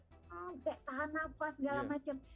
oh kayak tahan nafas segala macam